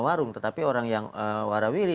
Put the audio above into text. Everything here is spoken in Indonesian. warung tetapi orang yang warawiri